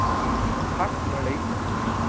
พรรคมะลิ